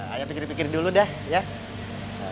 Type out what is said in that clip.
ayo pikir pikir dulu deh ya